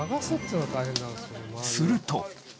すると。